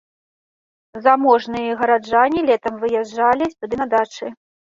Заможныя гараджане летам выязджалі сюды на дачы.